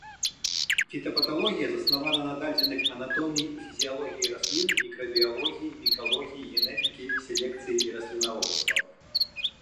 Фітапаталогія заснавана на дадзеных анатоміі і фізіялогіі раслін, мікрабіялогіі, мікалогіі, генетыкі, селекцыі і раслінаводства.